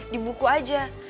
di buku aja